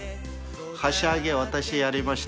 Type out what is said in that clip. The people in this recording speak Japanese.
箸上げ私やりました。